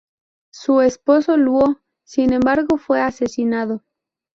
Su esposo Luo, sin embargo, fue asesinado.